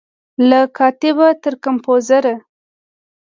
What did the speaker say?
له کاتبه تر کمپوزره